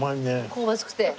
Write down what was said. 香ばしくて。